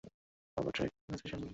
বাবা ট্রাক অ্যাসোসিয়েশনের লিডার।